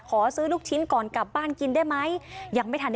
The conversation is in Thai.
ขอซื้อลูกชิ้นก่อนกลับบ้านกินได้ไหม